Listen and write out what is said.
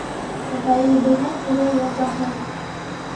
Ғәйебенә күрә язаһы.